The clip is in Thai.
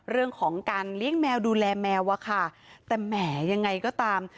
เรื่องของการเลี้ยงแมวดูแลแมวอะค่ะแต่แหมยังไงก็ตาม